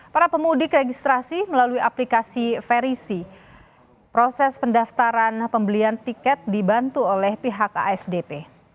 para pemudik registrasi melalui aplikasi verisi proses pendaftaran pembelian tiket dibantu oleh pihak asdp